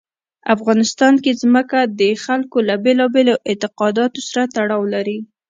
افغانستان کې ځمکه د خلکو له بېلابېلو اعتقاداتو سره تړاو لري.